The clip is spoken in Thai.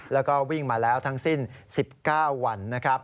แล้วก็วิ่งมาแล้วทั้งสิ้น๑๙วันนะครับ